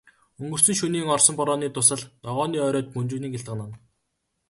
Өнгөрсөн шөнийн орсон борооны дусал ногооны оройд бөнжгөнөн гялтганана.